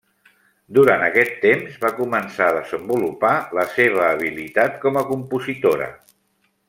Durant aquest temps va començar a desenvolupar la seva habilitat com a compositora.